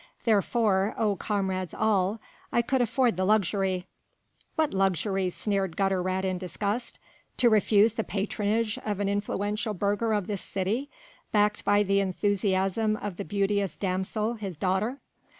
Therefore, O comrades all! I could afford the luxury." "What luxury?" sneered Gutter rat in disgust, "to refuse the patronage of an influential burgher of this city, backed by the enthusiasm of the beauteous damsel, his daughter?"